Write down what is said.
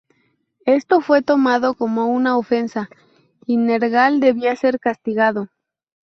Esto fue tomado como una ofensa, y Nergal debía ser castigado.